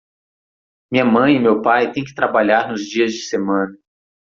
Minha mãe e meu pai têm que trabalhar nos dias de semana.